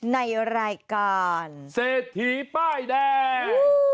ในรายการเศรษฐีป้ายแดง